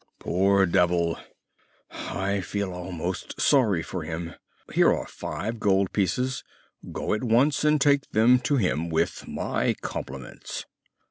"Poor devil! I feel almost sorry for him! Here are five gold pieces. Go at once and take them to him with my compliments."